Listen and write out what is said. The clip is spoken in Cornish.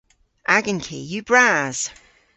Agan ki yw bras.